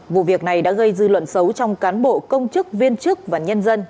vụ việc này đã gây dư luận xấu trong cán bộ công chức viên chức và nhân dân